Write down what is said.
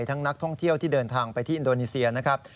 นักท่องเที่ยวที่เดินทางไปที่อินโดนีเซียนะครับ